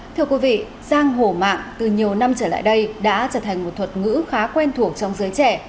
thưa quý vị giang hổ mạng từ nhiều năm trở lại đây đã trở thành một thuật ngữ khá quen thuộc trong giới trẻ